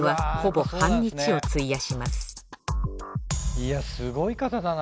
いやすごい方だな。